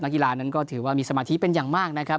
กีฬานั้นก็ถือว่ามีสมาธิเป็นอย่างมากนะครับ